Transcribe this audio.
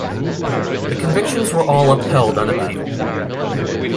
The convictions were all upheld on appeal.